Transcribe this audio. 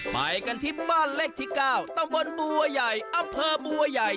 ไปกันที่บ้านเลขที่๙ตำบลบัวใหญ่อำเภอบัวใหญ่